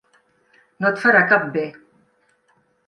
No et farà cap bé.